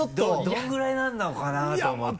どれぐらいなのかなと思って。